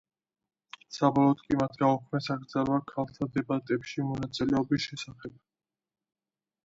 საბოლოოდ კი მათ გააუქმეს აკრძალვა ქალთა დებატებში მონაწილეობის შესახებ.